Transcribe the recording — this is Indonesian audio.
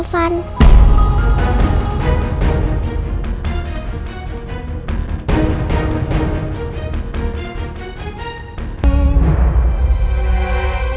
tukang oven beda